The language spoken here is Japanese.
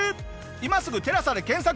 今すぐ「テラサ」で検索。